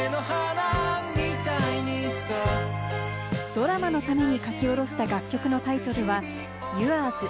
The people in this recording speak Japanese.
ドラマのために書き下ろした楽曲のタイトルは『ユアーズ』。